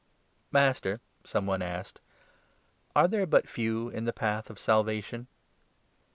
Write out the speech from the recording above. " Master," some one asked, "are there but few in the path 23 of Salvation